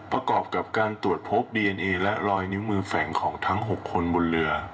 ประกอบกับการตรวจพบดีเอ็นเอและรอยนิ้วมือแฝงของทั้ง๖คนบนเรือ